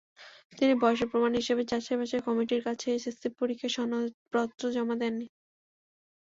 তিনি বয়সের প্রমাণ হিসেবে যাচাইবাছাই কমিটির কাছে এসএসসি পরীক্ষার সনদপত্র জমা দেননি।